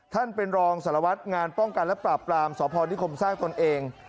ท่านเป็นรองสารวัตรงานป้องกันและปราบปรามสพนิคมสร้างตนเอง